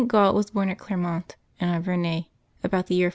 Gal was born at Clermont in Auvergne, about the year 489.